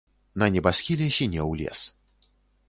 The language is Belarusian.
На небасхіле сінеў лес.